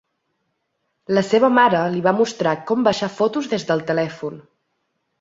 La seva mare li va mostrar com baixar fotos des del telèfon.